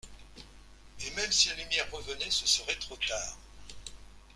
Et même si la lumière revenait, ce serait trop tard.